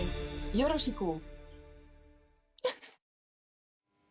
よろしく。